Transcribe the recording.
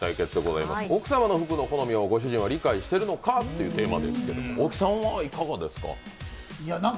奥様の服の好みをご主人は理解してるのかということですが大木さんはいかがですか？